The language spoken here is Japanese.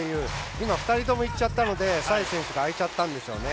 今、２人ともいっちゃったのでサイズ選手が空いちゃったんですよね。